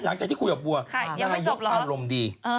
หลังจากที่คุยกับวัวนายกอารมณ์ดี